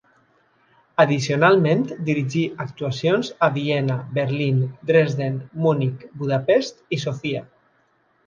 Addicionalment dirigí actuacions a Viena, Berlín, Dresden, Munic, Budapest i Sofia.